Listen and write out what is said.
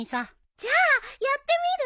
じゃあやってみる？